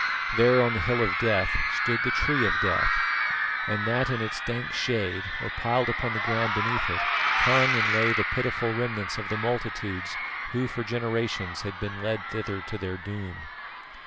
There on the Hill of Death stood the Tree of Death; and that in its dank shade, or piled upon the ground beneath it, hung and lay the pitiful remnants of the multitudes who for generations had been led thither to their doom.